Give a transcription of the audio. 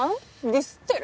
ディスってる？